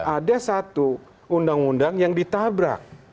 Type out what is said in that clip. ada satu undang undang yang ditabrak